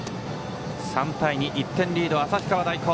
３対２、１点リードの旭川大高。